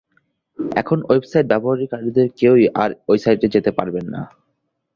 এখন ওয়েবসাইট ব্যবহারকারীদের কেউই আর ঐ সাইটে যেতে পারবেন না।